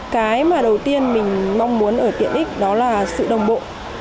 cái mà đầu tiên mình mong muốn ở tiện ích đó là sự đồng bộ